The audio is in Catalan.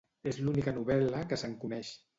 És l'única novel·la que se'n coneix.